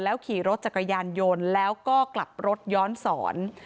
แล้วขี่รถจักรยานโยนแล้วก็กลับรถย้อนศร